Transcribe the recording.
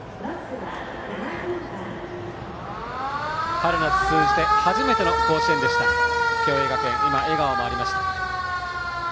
春夏通じて初めての甲子園でした共栄学園、笑顔もありました。